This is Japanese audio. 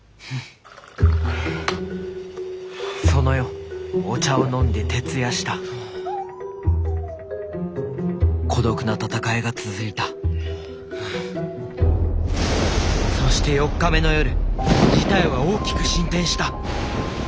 その夜お茶を飲んで徹夜した孤独な闘いが続いたそして４日目の夜事態は大きく進展した！